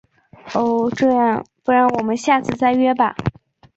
哦……这样，不然我们下次再约吧。